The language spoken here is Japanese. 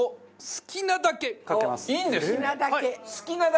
好きなだけです。